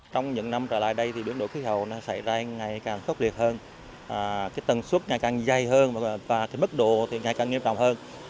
trong những năm trở lại đây biển đổi khí hậu xảy ra ngày càng khốc liệt hơn tầng suốt ngày càng dày hơn và mức độ ngày càng nghiêm trọng hơn